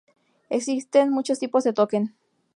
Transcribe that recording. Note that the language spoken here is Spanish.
Existen muchos tipos de "token".